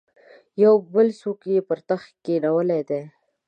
یو بل څوک یې پر تخت کښېنولی دی.